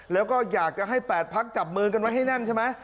แล้วก็อยากจะให้๘พักจับมือกันไว้ให้แน่นใช่ไหม